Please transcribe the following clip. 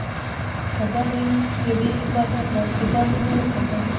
پرده مې یوې خواته کړل او دباندې مې وکتل.